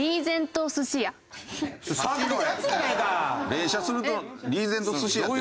連射するとリーゼント寿司屋って何？